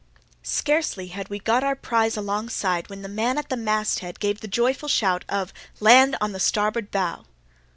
Scarcely had we got our prize alongside, when the man at the masthead gave the joyful shout of "land on the starboard bow!"